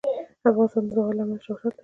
افغانستان د زغال له امله شهرت لري.